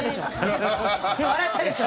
笑ったでしょ？